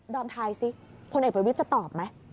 อมทายสิพลเอกประวิทย์จะตอบไหม